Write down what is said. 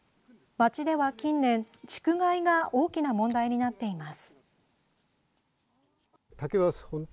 町では近年、竹害が大きな問題になっています。